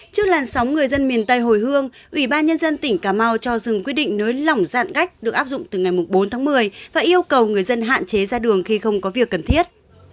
trước làn sóng người dân miền tây hồi hương ủy ban nhân dân tỉnh cà mau cho dừng quyết định nới lỏng giãn cách được áp dụng từ ngày bốn tháng một mươi và yêu cầu người dân hạn chế ra đường khi không có việc cần thiết